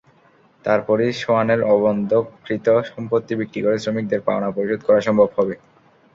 তারপরই সোয়ানের অবন্ধককৃত সম্পত্তি বিক্রি করে শ্রমিকদের পাওনা পরিশোধ করা সম্ভব হবে।